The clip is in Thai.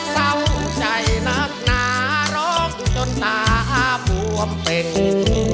เศร้าใจนักหนาร้องจนตาบวมเป็น